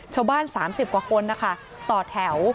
ชาวบ้าน๓๐กว่าคนนะคะต่อแถว